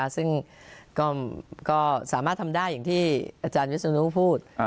ซึ่งก็สามารถทำได้อย่างที่อาจารย์วิศนุพูด